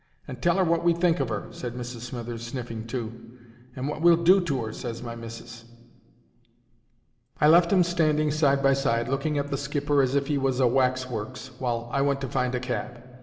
"And tell her wot we think of 'er," ses Mrs. Smithers, sniffing too. "And wot we'll do to 'er," ses my missis. I left 'em standing side by side, looking at the skipper as if 'e was a waxworks, while I went to find a cab.